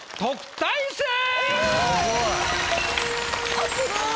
あっすごい。